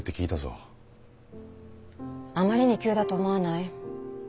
あまりに急だと思わない？